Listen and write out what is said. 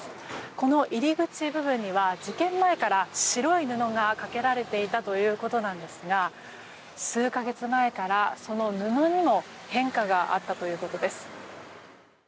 この入り口部分には事件前から白い布がかけられていたということなんですが数か月前から、その布にも変化があったということです。